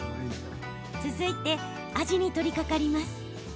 続いてアジに取りかかります。